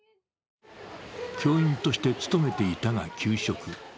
教員として勤めていたが休職。